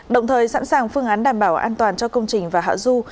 đồng thời sẵn sàng phương án đảm bảo an toàn cho công trình và hạ du